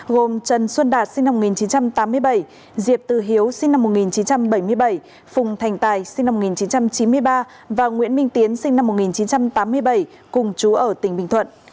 gồm trần xuân đạt sinh năm một nghìn chín trăm tám mươi bảy diệp từ hiếu sinh năm một nghìn chín trăm bảy mươi bảy phùng thành tài sinh năm một nghìn chín trăm chín mươi ba và nguyễn minh tiến sinh năm một nghìn chín trăm tám mươi bảy cùng chú ở tỉnh bình thuận